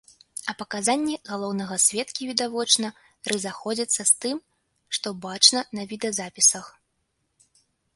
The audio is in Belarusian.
А паказанні галоўнага сведкі відавочна разыходзяцца з тым, што бачна на відэазапісах.